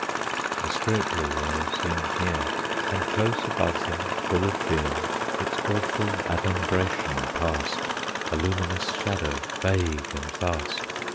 The spiritual world seemed near; And close above them, full of fear, Its awful adumbration passed, A luminous shadow, vague and vast.